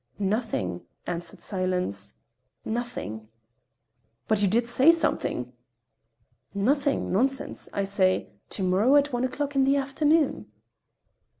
"Nothing," answered Silence, "nothing." "But you did say something." "Nothing, nonsense. I say: to morrow, at one o'clock in the afternoon!"